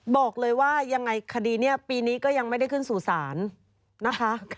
บอกเลยว่ายังไงคดีนี้ปีนี้ก็ยังไม่ได้ขึ้นสู่ศาลนะคะ